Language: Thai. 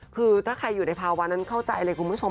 คือถ้าใครอยู่ในภาวะนั้นเข้าใจเลยคุณผู้ชม